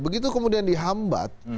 begitu kemudian dihambat